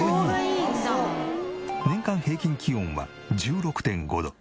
年間平均気温は１６．５度。